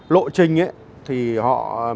lộ trình thì họ